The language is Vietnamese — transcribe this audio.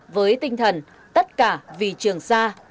với tinh thần tất cả vì trường sa